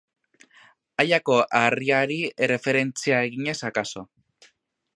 Aiako Harriari erreferentzia eginez akaso.